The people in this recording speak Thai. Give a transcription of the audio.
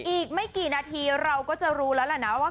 อีกไม่กี่นาทีเราก็จะรู้แล้วแหละนะว่า